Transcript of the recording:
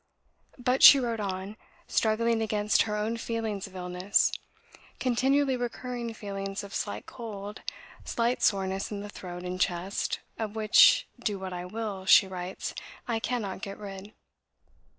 But she wrote on, struggling against her own feelings of illness; "continually recurring feelings of slight cold; slight soreness in the throat and chest, of which, do what I will," she writes, "I cannot get rid."